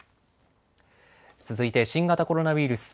続いて新型コロナウイルス。